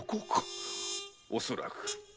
恐らく。